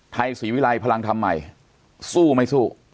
ไทยศรีวิรัยพลังธรรมใหม่สู้ไม่สู้